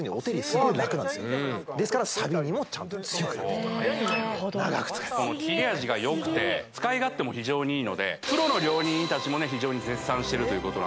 すごい楽なんですよですからサビにもちゃんと強くなってるなるほど長く使えるこの切れ味がよくて使い勝手も非常にいいのでプロの料理人たちもね非常に絶賛してるということなんですよね